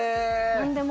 何でも。